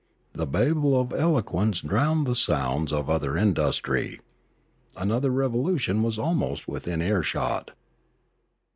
The babel of eloquence drowned the sounds of other industry. Another revolution was almost within earshot.